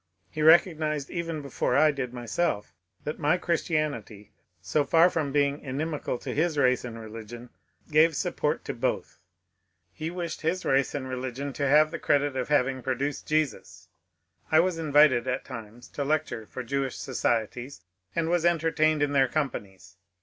He recognized even before I did myself that my Christianity, so far from being inimical to his race and religion, gave support to both. He wished his race and religion to have the credit of having pro duced Jesus. I was invited at times to lecture for Jewish societies, and was entertained in their companies.